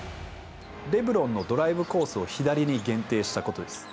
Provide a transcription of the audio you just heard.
レブロンのドライブコースを左に限定したことです。